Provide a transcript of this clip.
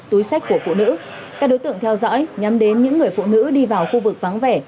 túi sách của phụ nữ các đối tượng theo dõi nhắm đến những người phụ nữ đi vào khu vực vắng vẻ